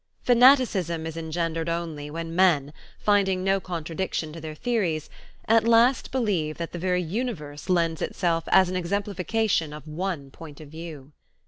Fanaticism is engendered only when men, finding no contradiction to their theories, at last believe that the very universe lends itself as an exemplification of one point of view.